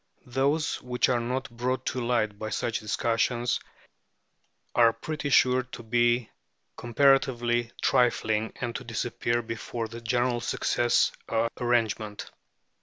Those which are not brought to light by such discussions are pretty sure to be comparatively trifling, and to disappear before the general success of arrangement.